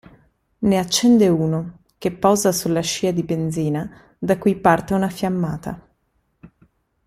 Ne accende uno, che posa sulla scia di benzina, da cui parte una fiammata.